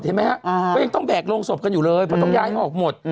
ก็ยังต้องแบกโรงศพกันอยู่เลยเพราะต้องย้ายออกหมด